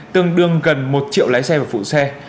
tương đương gần một triệu lái xe và phụ xe